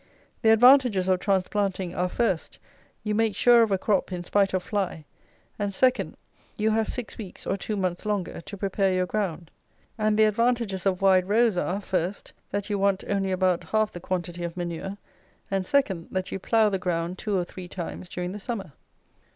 The advantages of transplanting are, first, you make sure of a crop in spite of fly; and, second, you have six weeks or two months longer to prepare your ground. And the advantages of wide rows are, first, that you want only about half the quantity of manure; and, second, that you plough the ground two or three times during the summer.